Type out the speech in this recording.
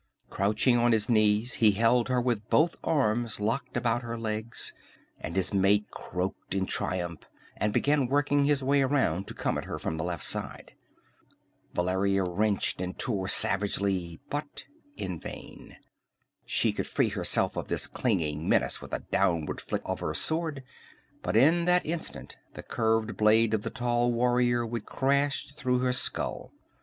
Crouching on his knees, he held her with both arms locked about her legs, and his mate croaked in triumph and began working his way around to come at her from the left side. Valeria wrenched and tore savagely, but in vain. She could free herself of this clinging menace with a downward flick of her sword, but in that instant the curved blade of the tall warrior would crash through her skull.